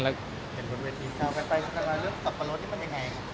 เห็นบนเวทีครับแล้วเรื่องสับปะรดที่มันยังไงครับ